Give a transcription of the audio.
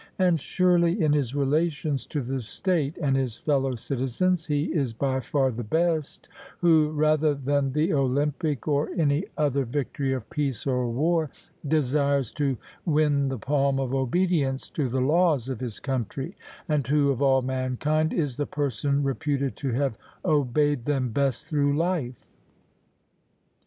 And surely in his relations to the state and his fellow citizens, he is by far the best, who rather than the Olympic or any other victory of peace or war, desires to win the palm of obedience to the laws of his country, and who, of all mankind, is the person reputed to have obeyed them best through life.